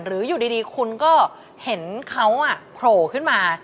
อยู่ดีคุณก็เห็นเขาโผล่ขึ้นมา